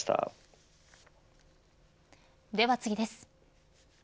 では次です。